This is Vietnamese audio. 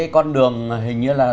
con đường hình như là